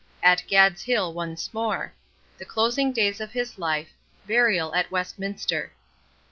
—At "Gad's Hill" once more.—The closing days of his life.—Burial at Westminster.